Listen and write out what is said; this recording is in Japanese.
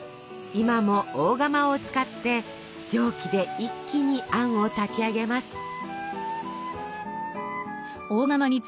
今も大釜を使って蒸気で一気にあんを炊きあげます。